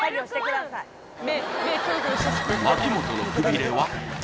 秋元のくびれは？